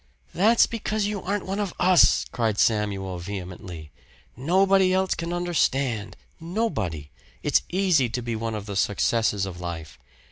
"That's because you aren't one of us!" cried Samuel vehemently. "Nobody else can understand nobody! It's easy to be one of the successes of life.